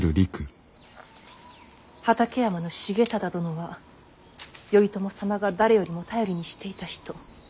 畠山重忠殿は頼朝様が誰よりも頼りにしていた人。